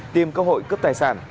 tìm cơ hội cướp tài sản